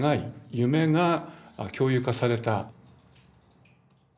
夢が共有化された。